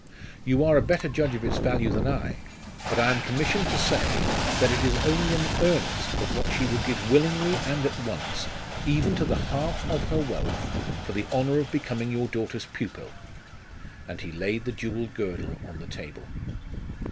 'You are a better judge of its value than I. But I am commissioned to say, that it is only an earnest of what she will give willingly and at once, even to the half of her wealth, for the honour of becoming your daughter's pupil.' And he laid the jewelled girdle on the table.